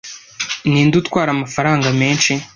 Ninde utwara amafaranga menshi